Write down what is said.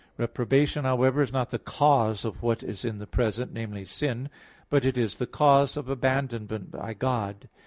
Reprobation, however, is not the cause of what is in the present namely, sin; but it is the cause of abandonment by God.